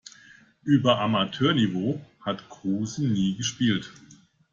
Über Amateurniveau hat Kruse nie gespielt.